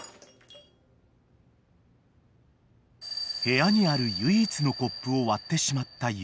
・［部屋にある唯一のコップを割ってしまった雪］